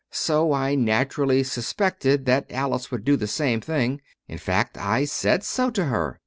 So I naturally suspected that Alice would do the same thing. In fact, I said so to her.